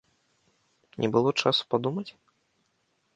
Не было часу падумаць?